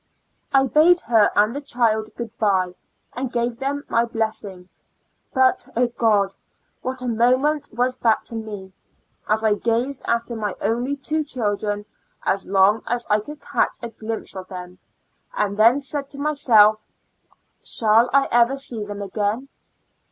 I bade her and the child good by, and gave them my blessing. But, O God ! What a mo ment was that to me, as I gazed after my two only children as long as I could catch a glimpse of them !. and then said to myself, " shall I ever see them again